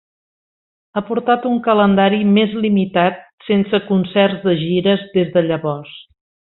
Ha portat un calendari més limitat sense concerts de gires des de llavors.